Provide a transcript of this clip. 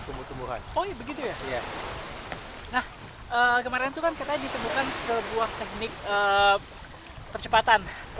percubuan tumbuh karang itu seperti apa